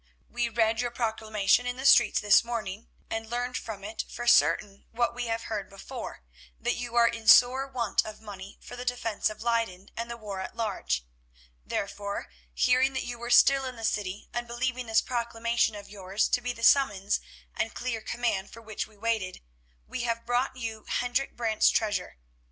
We read your proclamation in the streets this morning, and learned from it for certain what we have heard before, that you are in sore want of money for the defence of Leyden and the war at large. Therefore, hearing that you were still in the city, and believing this proclamation of yours to be the summons and clear command for which we waited, we have brought you Hendrik Brant's treasure.